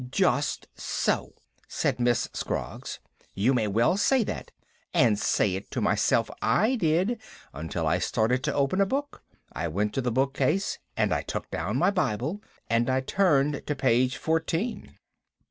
"Just so!" said Miss Scroggs. "You may well say that. And say it to myself I did until I started to open a book. I went to the book case and I took down my Bible and I turned to page fourteen."